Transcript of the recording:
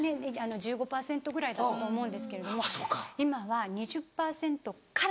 １５％ぐらいだったと思うんですけれども今は２０％からで。